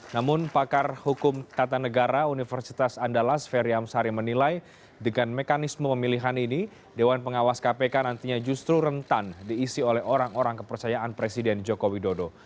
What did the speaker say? namun pakar hukum tata negara universitas andalas ferry amsari menilai dengan mekanisme pemilihan ini dewan pengawas kpk nantinya justru rentan diisi oleh orang orang kepercayaan presiden joko widodo